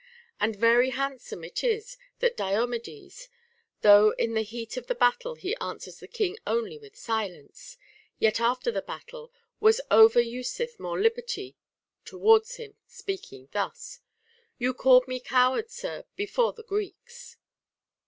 And very handsome it is that Diomedes, though in the heat of the battle he answers the king only with silence, yet after the battle was over useth more liberty towards him, speaking thus :— You called me coward, sir, before the Greeks.